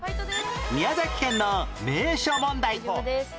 宮崎県の名所問題